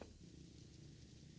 janganlah kau berguna